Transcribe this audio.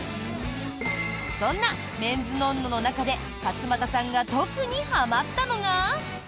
そんな「ＭＥＮ’ＳＮＯＮ−ＮＯ」の中で勝俣さんが特にはまったのが。